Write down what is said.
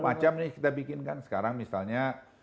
macamnya kita bikinkan sekarang misalnya